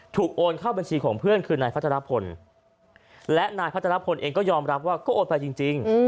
โอนเข้าบัญชีของเพื่อนคือนายพัทรพลและนายพัทรพลเองก็ยอมรับว่าก็โอนไปจริง